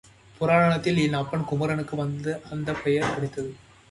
புராணத்தில் என் அப்பன் குமரனுக்கு அந்தப் பெயர் கிடைத்தது!